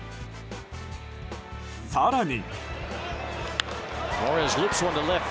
更に。